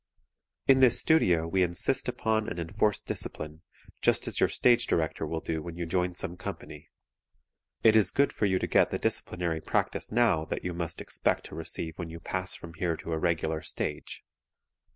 In this studio we insist upon and enforce discipline, just as your stage director will do when you join some company. It is good for you to get the disciplinary practice now that you must expect to receive when you pass from here to a regular stage.